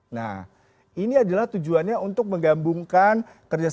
nah ini adalah tujuannya untuk menggambungkan kerjaan